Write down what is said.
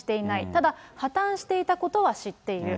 ただ破綻していたことは知っている。